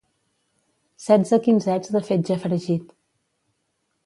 Setze quinzets de fetge fregit.